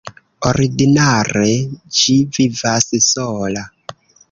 Ordinare ĝi vivas sola.